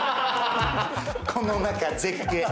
この中、絶景。